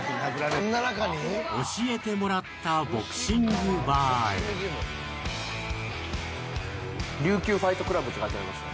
教えてもらったボクシングバーへ「琉球ファイトクラブ」って書いてありますね